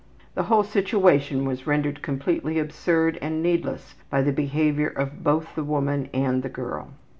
The whole situation was rendered completely absurd and needless by the behavior of both the woman and the girl.